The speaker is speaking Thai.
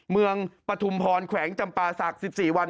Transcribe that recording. เมืองปฐุมพรแขวงจำปาศักดิ์๑๔วัน